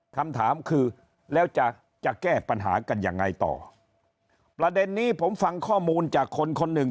คำถามคือแล้วจะจะแก้ปัญหากันยังไงต่อประเด็นนี้ผมฟังข้อมูลจากคนคนหนึ่ง